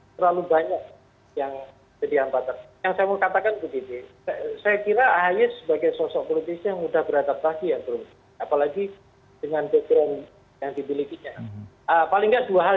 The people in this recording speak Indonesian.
menurut saya terlalu banyak yang jadi hambatan